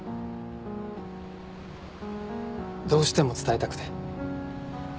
どうしても伝えたくて。